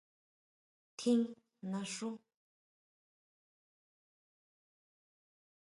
¿Tjín naxú?